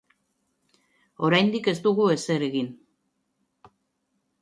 Oraindik ez dugu ezer egin.